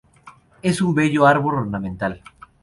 Es un bello árbol ornamental.